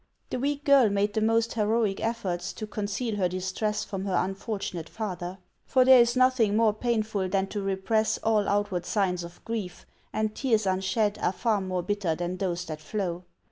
The weak girl made the most heroic efforts to conceal her distress from her unfortunate father ; for there is nothing more painful than to repress all outward signs of grief, and tears unshed are far more bitter than those that flow.